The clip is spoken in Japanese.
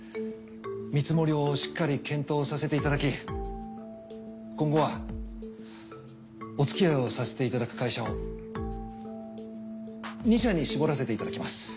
見積もりをしっかり検討させていただき今後はおつきあいをさせていただく会社を２社に絞らせていただきます。